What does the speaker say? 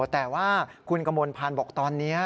แต่ว่าคุณกมลพันธ์บอกตอนนี้